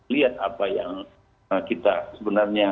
lihat apa yang kita sebenarnya